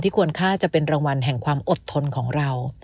ควรค่าจะเป็นรางวัลแห่งความอดทนของเรา